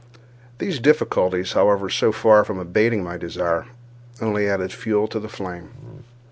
These difficulties, however, so far from abating my desire, only added fuel to the flame.